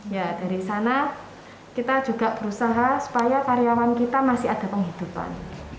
ya dari sana kita juga berusaha supaya karyawan kita masih ada penghidupan